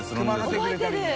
覚えてる。